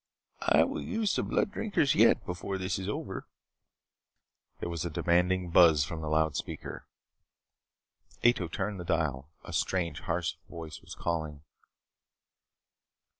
I will use the Blood Drinkers yet, before this is over." There was a demanding buzz from the loudspeaker. Ato turned the dial. A strange, harsh voice was calling.